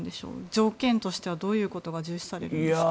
条件としてはどういうことが重視されるんでしょう？